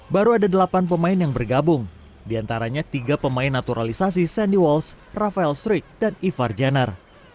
baru ada delapan pemain yang bergabung diantaranya tiga pemain naturalisasi sandy walsh rafael struik dan ivar jenner